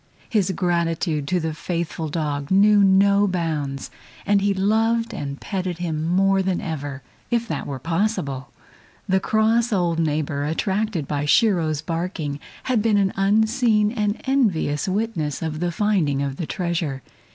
His gratitude to the faithful dog knew no bounds, and he loved and petted him more than ever, if that were possible. The cross old neighbor, attracted by Shiro's barking, had been an unseen and envious witness of the finding of the treasure.